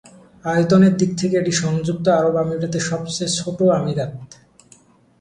আয়তনের দিক থেকে এটি সংযুক্ত আরব আমিরাতের সবচেয়ে ছোট আমিরাত।